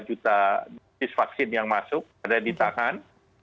juta juta vaksin yang masuk ada di tangan